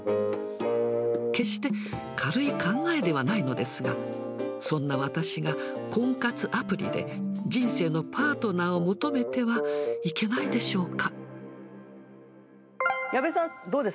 決して軽い考えではないのですが、そんな私が婚活アプリで、人生のパートナーを求めてはいけないでしょうか。